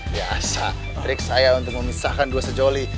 biasa trik saya untuk memisahkan dua sejoli